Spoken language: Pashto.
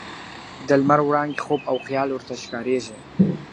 د لمر وړانګي خوب او خیال ورته ښکاریږي .